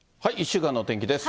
１週間のお天気です。